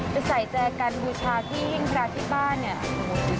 ไปใส่แจกันบูชาที่หิ้งพระที่บ้านเนี่ย